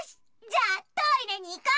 じゃあトイレにいこ！